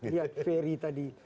lihat ferry tadi